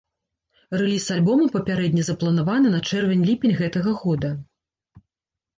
Рэліз альбома папярэдне запланаваны на чэрвень-ліпень гэтага года.